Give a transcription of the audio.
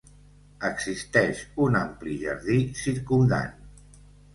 Existeix un ampli jardí circumdant.